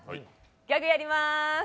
ギャグやりまーす。